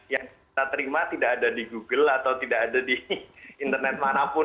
yang kita terima tidak ada di google atau tidak ada di internet manapun